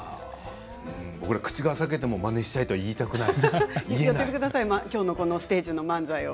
僕は口が裂けてもまねしたいとは言わない。